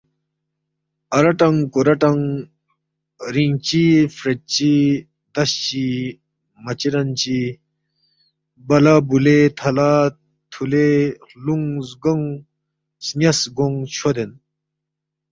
اراٹنگ کُوراٹنگ، رِینگ چی فرید چی، دس چی مَچیرن چی، بَلا بُولے، تَھلا تھُلے، ہلُونگ زگونگ سن٘یاس گونگ چھودین،